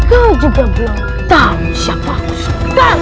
kau juga belum tahu siapa aku suka